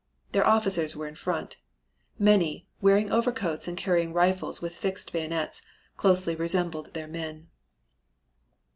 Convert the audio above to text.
Their officers were in front. Many, wearing overcoats and carrying rifles with fixed bayonets, closely resembled their men.